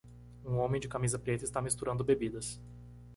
Um homem de camisa preta está misturando bebidas